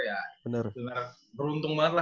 ya bener beruntung banget